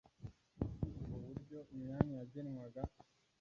Usibye ubu buryo imyanya yagenwaga